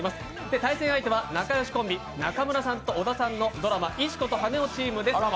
対戦相手は仲よしコンビ、中村さんと小田さんのドラマ「石子と羽男」チームです！